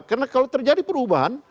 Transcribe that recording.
karena kalau terjadi perubahan